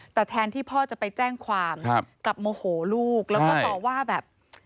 แต่แทนที่พ่อจะไปแจ้งความกลับโมโหลูกแล้วก็ต่อว่าแบบ